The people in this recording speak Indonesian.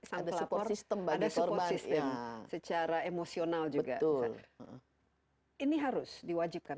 ada support system secara emosional juga ini harus diwajibkan ada salah satu platform ini harus diwajibkan